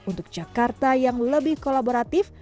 untuk jakarta yang lebih kolaboratif